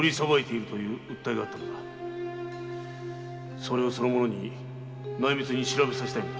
それをその者に内密に調べさせたいのだ。